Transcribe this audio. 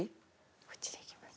こっちでいきます？